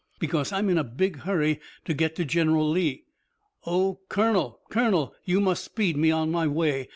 "Because I'm in a big hurry to get to General Lee! Oh! Colonel! Colonel! You must speed me on my way!